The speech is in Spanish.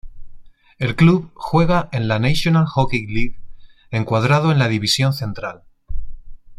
El club juega en la National Hockey League encuadrado en la División Central.